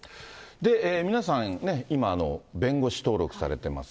で、皆さんね、今、弁護士登録されてます。